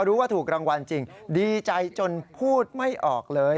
หนูก็ถูกเลข๓ตัวหนูก็ตกใจพูดไม่ออกเลย